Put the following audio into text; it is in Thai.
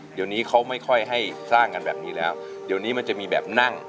เดี๋ยวนี้เขาไม่ค่อยให้สร้างกันแบบนี้แล้วเดี๋ยวนี้มันจะมีแบบนั่ง